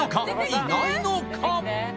いないのか？